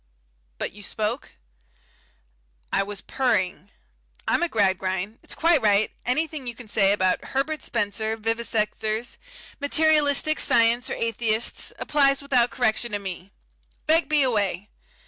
"But you spoke?" "I was purring. I'm a Gradgrind it's quite right anything you can say about Herbert Spencer, vivisectors, materialistic Science or Atheists, applies without correction to me. Begbie away!